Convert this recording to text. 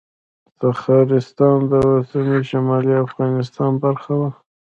تخارستان د اوسني شمالي افغانستان برخه وه